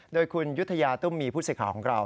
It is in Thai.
โดยคุณยุทยาตุ้มมีผู้เสียข่าวของเรา